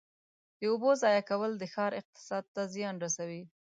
د اوبو ضایع کول د ښار اقتصاد ته زیان رسوي.